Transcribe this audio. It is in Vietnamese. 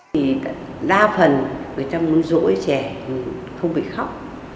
thì đa phần người ta muốn rỗi trẻ không bị khóc